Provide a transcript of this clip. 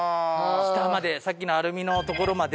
下までさっきのアルミの所まで。